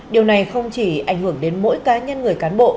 điều này không chỉ ảnh hưởng đến mỗi cá nhân người cán bộ